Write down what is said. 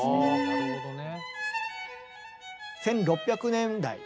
なるほどね。